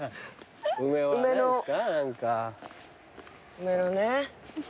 梅のね。